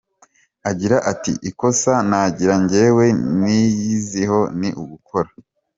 Agira ati “Ikosa nagira njyewe niyiziho ni ugukora.